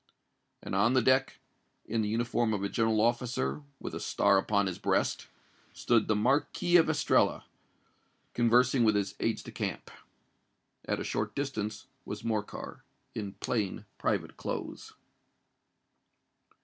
And on the deck, in the uniform of a general officer, and with a star upon his breast, stood the Marquis of Estella, conversing with his aides de camp. At a short distance was Morcar—in plain, private clothes.